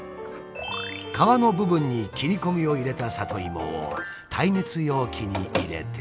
皮の部分に切り込みを入れた里芋を耐熱容器に入れて。